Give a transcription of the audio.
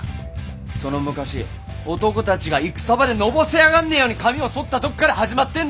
その昔男たちが戦場でのぼせ上がんねえように髪をそったとこから始まってんだ！